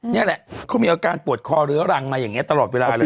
นี่แหละเขามีอาการปวดคอเรื้อรังมาอย่างนี้ตลอดเวลาเลย